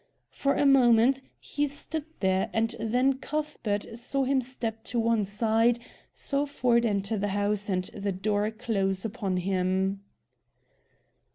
For a moment he stood there, and then Cuthbert saw him step to one side, saw Ford enter the house and the door close upon him.